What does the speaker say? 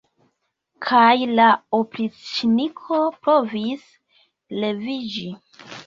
Kaj la opriĉniko provis leviĝi.